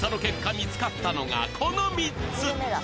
見つかったのがこの３つ！